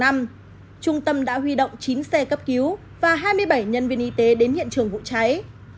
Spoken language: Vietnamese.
trung tâm đã huy động chín xe cấp cứu và hai mươi bảy nhân viên y tế đến hiện trường vụ cháy